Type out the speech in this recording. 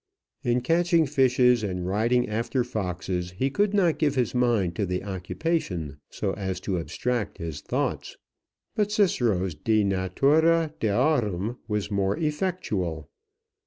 In catching fishes and riding after foxes he could not give his mind to the occupation, so as to abstract his thoughts. But Cicero's de Natura Deorum was more effectual.